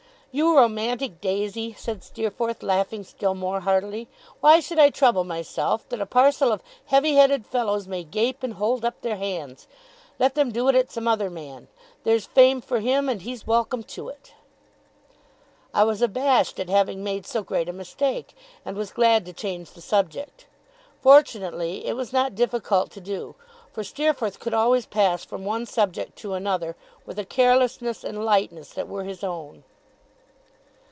'You romantic Daisy!' said Steerforth, laughing still more heartily: 'why should I trouble myself, that a parcel of heavy headed fellows may gape and hold up their hands? Let them do it at some other man. There's fame for him, and he's welcome to it.' I was abashed at having made so great a mistake, and was glad to change the subject. Fortunately it was not difficult to do, for Steerforth could always pass from one subject to another with a carelessness and lightness that were his own.